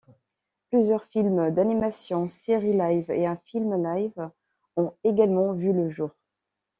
Plusieurs films d'animation, séries live et un film live ont également vu le jour.